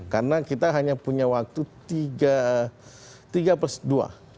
karena kita hanya punya waktu tiga plus dua